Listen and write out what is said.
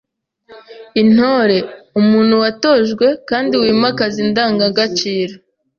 Intore : umuntu watojwe kandi wimakaza indangagaciro